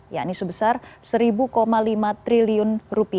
yakni sebesar rp satu lima triliun